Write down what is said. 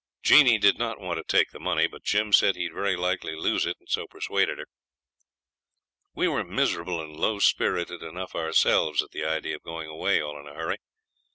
Jeanie did not want to take the money; but Jim said he'd very likely lose it, and so persuaded her. We were miserable and low spirited enough ourselves at the idea of going away all in a hurry.